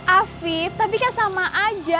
afif tapi kan sama aja